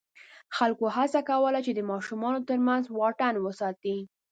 خلکو هڅه کوله چې د ماشومانو تر منځ واټن وساتي.